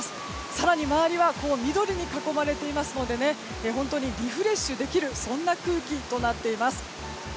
更に周りは緑に囲まれていますので本当にリフレッシュできる空気となっています。